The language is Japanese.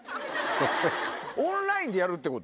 オンラインでやるってこと？